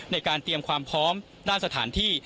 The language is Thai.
ในการเตรียมความพร้อมด้านสถานที่